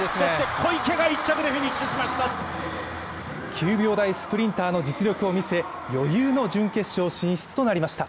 ９秒台スプリンターの実力を見せ、余裕の準決勝進出となりました。